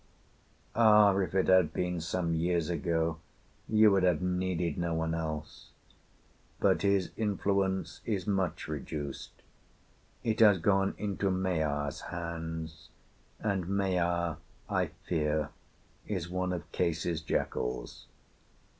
Ah! if it had been some years ago you would have needed no one else; but his influence is much reduced, it has gone into Maea's hands, and Maea, I fear, is one of Case's jackals.